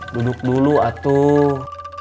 duduk dulu atuh